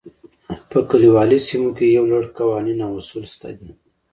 په کلیوالي سیمو کې یو لړ قوانین او اصول شته دي.